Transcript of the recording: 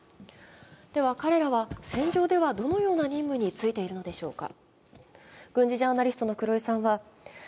では、彼らは戦場ではどのような任務についているのでしょうか。